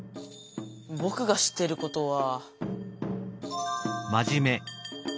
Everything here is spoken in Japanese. ぼくが知ってることは。